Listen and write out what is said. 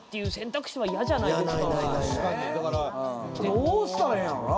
どうしたらええんやろな？